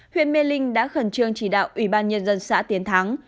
huyện mê linh đã khẩn trương chỉ đạo ủy ban nhân dân xã tiến thắng